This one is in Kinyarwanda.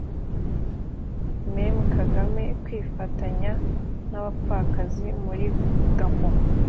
Mme Kagame kwifatanya n'abapfakazi muli Gabon.